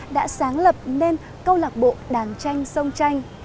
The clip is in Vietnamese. đã sáng lập nên câu lạc bộ đàn tranh sông tranh